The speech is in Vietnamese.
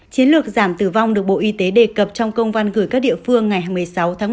chiến lược giảm tử vong được bộ y tế đề cập trong công văn gửi các địa phương ngày một mươi sáu tháng một mươi hai